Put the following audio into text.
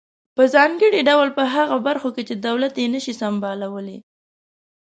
په ځانګړي ډول په هغه برخو کې چې دولت یې نشي سمبالولای.